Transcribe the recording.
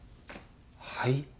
はい？